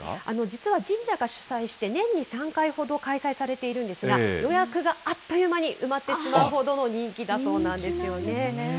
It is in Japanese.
実は神社が主催して年に３回ほど開催されているんですが、予約があっという間に埋まってしまうほどの人気だそうなんですよね。